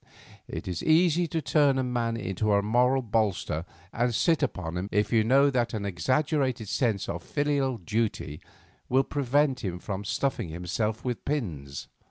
It is easy to turn a man into a moral bolster and sit upon him if you know that an exaggerated sense of filial duty will prevent him from stuffing himself with pins.